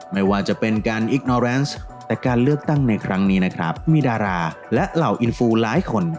ไม่ว่าจะเป็นการอิ๊กนอแรนซ์แต่การเลือกตั้งในครั้งนี้นะครับมีดาราและเหล่าอินฟูหลายคน